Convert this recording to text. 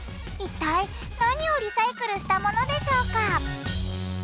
いったい何をリサイクルしたものでしょうか？